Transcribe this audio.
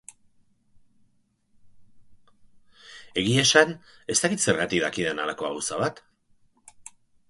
Egia esan ez dakit zergatik dakidan halako gauza bat.